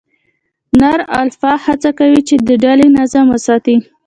نر الفا هڅه کوي، چې د ډلې نظم وساتي.